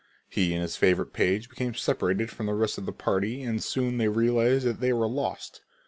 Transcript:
He and his favorite page became separated from the rest of the party and soon they realized that they were lost.